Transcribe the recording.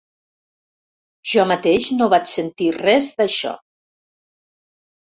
Jo mateix no vaig sentir res d'això.